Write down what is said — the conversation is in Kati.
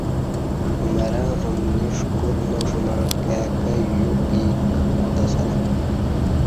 مرں امنی ݜکور ناݜ مع کای کہ یوں پیک کوتاسلہ